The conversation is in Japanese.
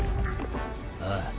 ああ。